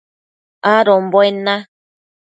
adombuen na